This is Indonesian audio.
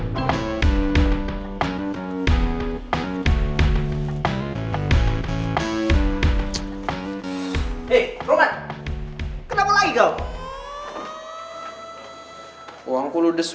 pak udah deh